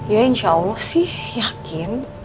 ya insya allah sih yakin